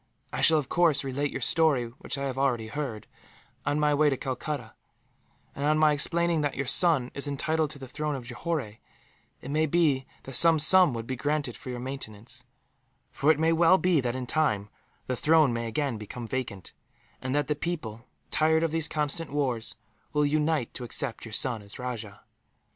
I shall, of course, relate your story, which I have already heard, on my return to Calcutta; and on my explaining that your son is entitled to the throne of Johore, it may be that some sum would be granted for your maintenance; for it may well be that, in time, the throne may again become vacant, and that the people, tired of these constant wars, will unite to accept your son as rajah.